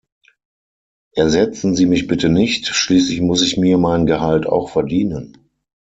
Ersetzen Sie mich bitte nicht, schließlich muss ich mir mein Gehalt auch verdienen.